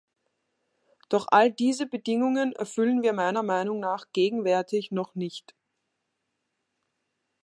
Doch all diese Bedingungen erfüllen wir meiner Meinung nach gegenwärtig noch nicht.